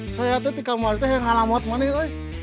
saya tuh di kamar tuh yang alamat mana itu